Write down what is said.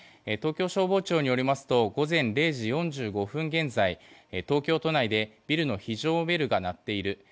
東京消防庁によりますと午前０時４５分現在東京都内でビルの非常ベルが鳴っている。